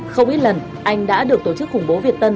không ít lần anh đã được tổ chức khủng bố việt tân